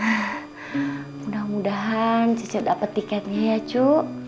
eh mudah mudahan cece dapat tiketnya ya cu